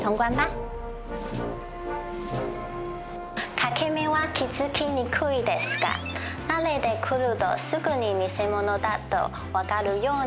欠け眼は気付きにくいですが慣れてくるとすぐに偽物だと分かるようになりますよ。